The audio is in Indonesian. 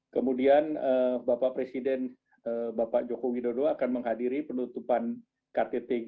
kemudian bapak presiden bapak joko widodo akan menghadiri penutupan ktt g dua puluh di roma pada tanggal tiga puluh tiga puluh satu oktober mendatang